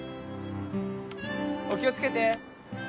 お気を付けて。